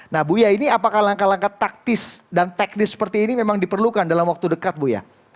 nah bu yaya ini apakah langkah langkah taktis dan teknis seperti ini memang diperlukan dalam waktu dekat bu yaya